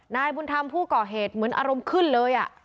นายบุญธรรมผู้ก่อเหตุเหมือนอารมณ์ขึ้นเลย